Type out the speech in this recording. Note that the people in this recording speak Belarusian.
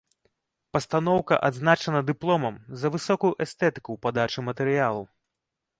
Пастаноўка адзначана дыпломам за высокую эстэтыку ў падачы матэрыялу.